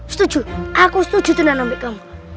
setuju aku setuju tuan anambek kamu